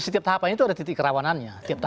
setiap tahapan itu ada titik kerawanannya